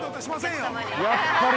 ◆やっぱり。